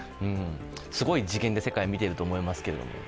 すごい次元で世界を見ていると思いますけれども。